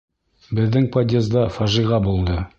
Беҙҙең подъезда фажиғә булды.